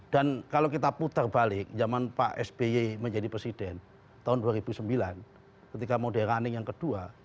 dan kalau kita putar balik zaman pak sby menjadi presiden tahun dua ribu sembilan ketika moderanik yang kedua